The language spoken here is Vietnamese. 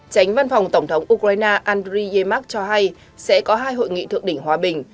tránh văn phòng tổng thống ukraine andriy yemak cho hay sẽ có hai hội nghị tượng đỉnh hòa bình